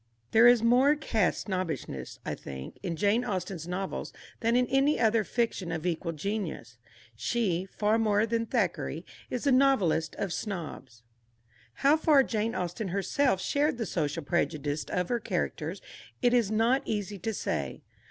There is more caste snobbishness, I think, in Jane Austen's novels than in any other fiction of equal genius. She, far more than Thackeray, is the novelist of snobs. How far Jane Austen herself shared the social prejudices of her characters it is not easy to say.